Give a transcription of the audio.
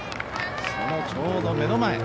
そのちょうど目の前。